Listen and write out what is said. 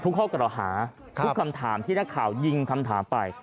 ข้อกล่าวหาทุกคำถามที่นักข่าวยิงคำถามไป